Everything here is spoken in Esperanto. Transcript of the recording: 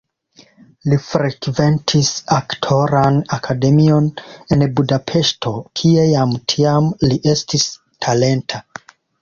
Li frekventis aktoran akademion en Budapeŝto, kie jam tiam li estis talenta.